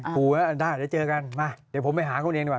ถ้าหาจะเจอกันมาเดี๋ยวผมไปหาเขาเองดีกว่า